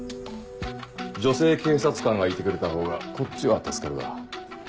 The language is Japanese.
女性警察官がいてくれたほうがこっちは助かるが。